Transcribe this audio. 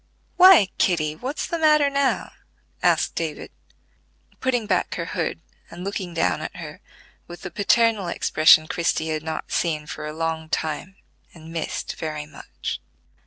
"Why, Kitty, what's the matter now?" asked David, putting back her hood, and looking down at her with the paternal expression Christie had not seen for a long time, and missed very much.